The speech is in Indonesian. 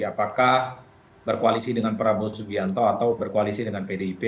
apakah berkoalisi dengan prabowo subianto atau berkoalisi dengan pdip